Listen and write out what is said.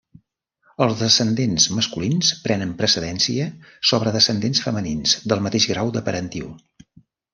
Els descendents masculins prenen precedència sobre descendents femenins del mateix grau de parentiu.